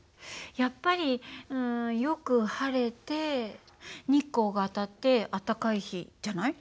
やっぱりうんよく晴れて日光が当たって暖かい日じゃない？